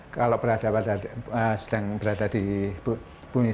kalau berada di bumi sedang berada di sini